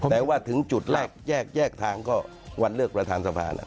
แต่ว่าถึงจุดแรกแยกทางก็วันเลือกประธานสภา